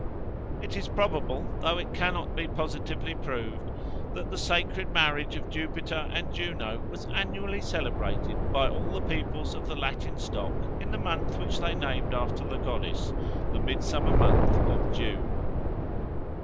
It is probable, though it cannot be positively proved, that the sacred marriage of Jupiter and Juno was annually celebrated by all the peoples of the Latin stock in the month which they named after the goddess, the midsummer month of June.